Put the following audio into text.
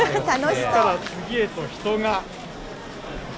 次から次へと人が。